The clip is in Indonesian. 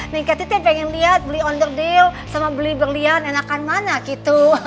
neng kerti teh pengen lihat beli owner deal sama beli berlian enakan mana gitu